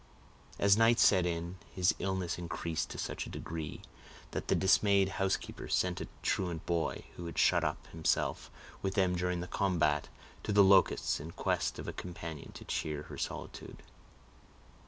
As night set in, his illness increased to such a degree, that the dismayed housekeeper sent a truant boy, who had shut up himself with them during the combat, to the Locusts, in quest of a companion to cheer her solitude.